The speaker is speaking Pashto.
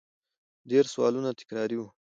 ډېر سوالونه تکراري وو